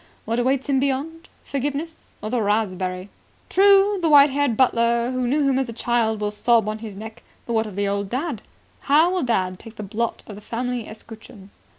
What awaits him beyond? Forgiveness? Or the raspberry? True, the white haired butler who knew him as a child will sob on his neck, but what of the old dad? How will dad take the blot of the family escutcheon?"